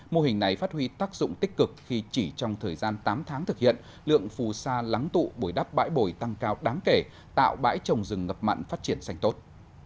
mô hình này phát huy tác dụng tích cực khi chỉ trong thời gian tám tháng thực hiện lượng phù sa lắng tụ bồi đắp bãi bồi tăng cao đáng kể tạo bãi trồng rừng ngập mặn phát triển xanh tốt